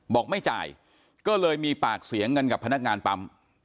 บอกไม่จ่ายก็เลยมีปากเสียงกันกับพนักงานปั๊ม